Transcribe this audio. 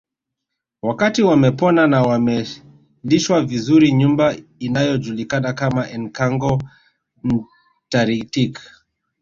Wakati wamepona na wamelishwa vizuri nyumba inayojulikana kama Enkangoo Ntaritik